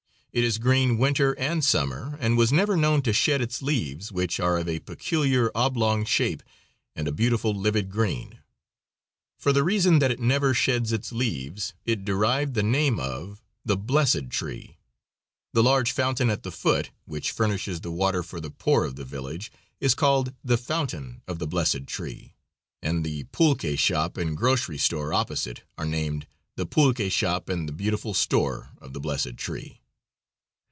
It is green, winter and summer, and was never known to shed its leaves, which are of a peculiar oblong shape and a beautiful livid green. For the reason that it never sheds its leaves it derived the name of "the blessed tree;" the large fountain at the foot, which furnishes the water for the poor of the village, is called "the fountain of the blessed tree," and the pulque shop and grocery store opposite are named "the pulque shop and the beautiful store of the blessed tree."